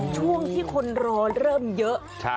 ช่วงที่คนรอเริ่มเยอะ